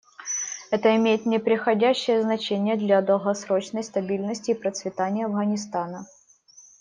Это имеет непреходящее значение для долгосрочной стабильности и процветания Афганистана.